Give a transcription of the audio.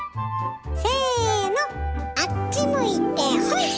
せのあっち向いてホイ！